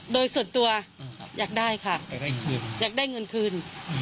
โดยส่วนตัวอยากได้ค่ะอยากได้เงินคืน